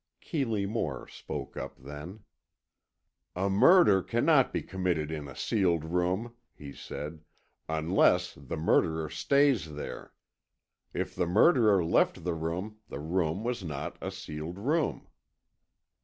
Keeley Moore spoke up then. "A murder cannot be committed in a sealed room," he said, "unless the murderer stays there. If the murderer left the room, the room was not a sealed room."